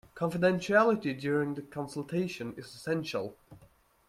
Confidentiality during the consultation is essential